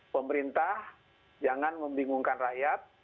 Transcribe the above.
pemerintah jangan membingungkan rakyat